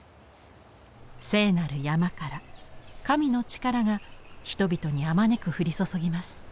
聖なる山から神の力が人々にあまねく降り注ぎます。